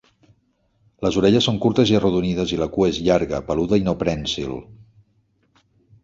Les orelles són curtes i arrodonides i la cua és llarga, peluda i no prènsil.